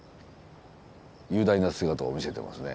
雄大な姿を見せてますね。